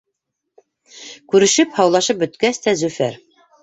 Күрешеп-һаулашыу бөткәс тә, Зөфәр: